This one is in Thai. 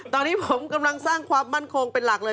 ตอนนี้ผมกำลังสร้างความมั่นคงเป็นหลักเลย